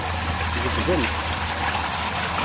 Jebdemt.